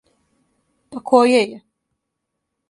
Па које је?